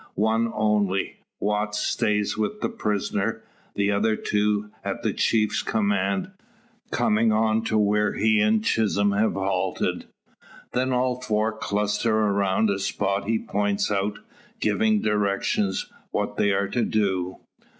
One only, Watts, stays with the prisoner; the other two, at the chiefs command, coming on to where he and Chisholm have halted. Then all four cluster around a spot he points out, giving directions what they are to do.